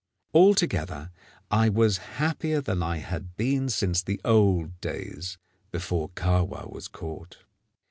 Altogether I was happier than I had been since the old days before Kahwa was caught.